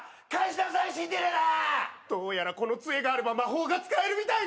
どうやらこのつえがあれば魔法が使えるみたいね！